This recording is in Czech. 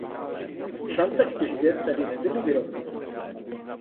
Šance k těžbě tedy nebyly vyrovnané.